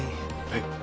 はい